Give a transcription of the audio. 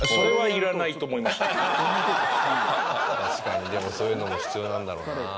確かにでもそういうのも必要なんだろうな。